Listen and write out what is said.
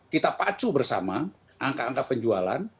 kita pacu bersama angka angka penjualan